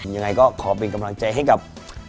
ยังไงก็ขอเป็นกำลังใจให้กับ